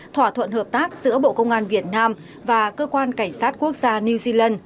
thỏa thuận hợp tác giữa bộ công an việt nam và cơ quan cảnh sát quốc gia new zealand